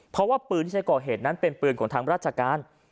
เพราะว่าปืนที่ใช้ก่อเหตุนั้นเป็นปืนของทางราชการ